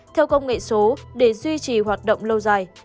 theo công nghệ số để duy trì hoạt động lâu dài